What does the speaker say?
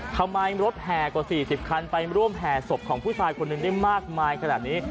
ทำไมรถแห่กว่า๔๐คันไปร่วมแห่ศพของผู้ชายคนหนึ่งได้มากมายขนาดนี้